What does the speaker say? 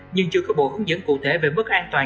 nhưng chưa có bộ hướng dẫn cụ thể về mức an toàn